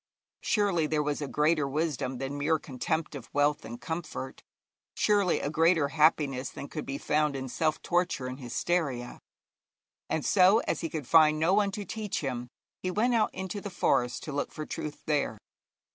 Surely there was a greater wisdom than mere contempt of wealth and comfort, surely a greater happiness than could be found in self torture and hysteria. And so, as he could find no one to teach him, he went out into the forest to look for truth there.